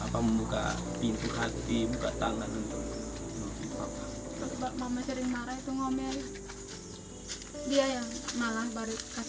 yang pertama membuka pintu hati membuka tangan untuk novi papa